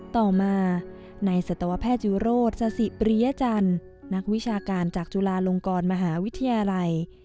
ต่อมาในสัตวแพทย์ยุโรธสสิปริยจันทร์นักวิชาการจากจุฬาลงกรมหาวิทยาลัย